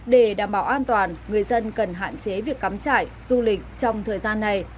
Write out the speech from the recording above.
để đảm bảo an toàn người dân cần hạn chế việc cắm trại du lịch trong thời gian này